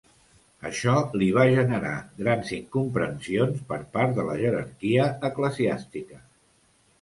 Això li va generar grans incomprensions per part de la jerarquia eclesiàstica.